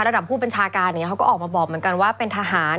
ระดับพูดเป็นชาการอย่างเงี้ยเขาก็ออกมาบอกเหมือนกันว่าเป็นทหาร